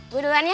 gue duluan ya